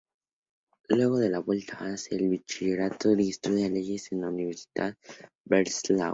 Luego de la vuelta hace el bachillerato y estudia leyes en la Universität Breslau.